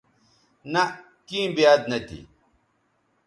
نہء کیں بیاد نہ تھی